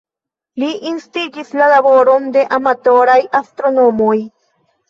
Li instigis la laboron de amatoraj astronomoj.